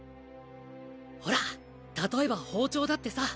ホラ例えば包丁だってさ。